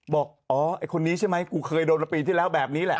บอกอ๋อไอ้คนนี้ใช่ไหมกูเคยโดนมาปีที่แล้วแบบนี้แหละ